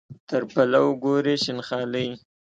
تر پلو ګوري شین خالۍ.